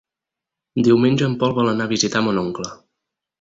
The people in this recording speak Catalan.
Diumenge en Pol vol anar a visitar mon oncle.